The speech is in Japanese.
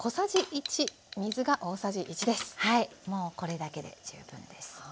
はいもうこれだけで十分です。